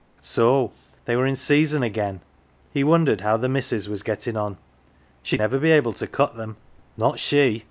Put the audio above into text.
So they were in sea son again ! He wondered how the missus was getting on. She'd never be able to cut them, not she